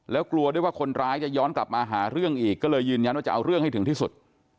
แล้วกลัวด้วยว่าคนร้ายจะย้อนกลับมาหาเรื่องอีกก็เลยยืนยันว่าจะเอาเรื่องให้ถึงที่สุด